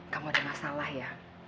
kamu ada masalah ya